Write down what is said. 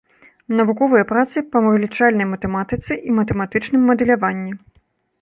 Навуковыя працы па вылічальнай матэматыцы і матэматычным мадэляванні.